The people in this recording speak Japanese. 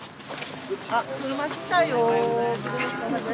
あっ車来たよ。